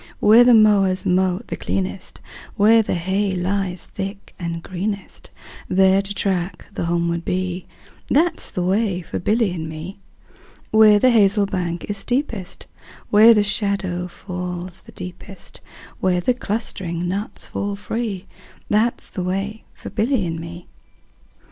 Where the mowers mow the cleanest, Where the hay lies thick and greenest, 10 There to track the homeward bee, That 's the way for Billy and me. Where the hazel bank is steepest, Where the shadow falls the deepest, Where the clustering nuts fall free, 15 That 's the way for Billy and me.